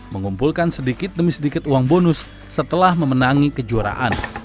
mengumpulkan sedikit demi sedikit uang bonus setelah memenangi kejuaraan